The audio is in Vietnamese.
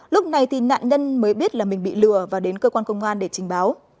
lúc này thì nạn nhân mới biết là mình bị lừa và đến cơ quan công an để trình báo